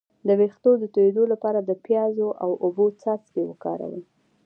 د ویښتو د تویدو لپاره د پیاز او اوبو څاڅکي وکاروئ